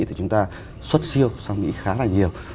thì chúng ta xuất siêu sang mỹ khá là nhiều